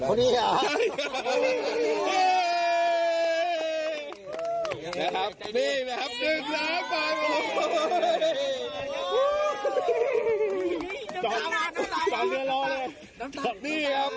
นี่นะครับนี่นะครับ๑น้ำตาเอาไว้